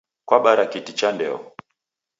Kwabara kiti cha ndeo